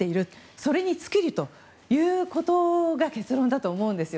それに尽きるということが結論だと思うんです。